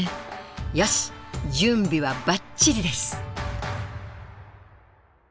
よし準備はバッチリです。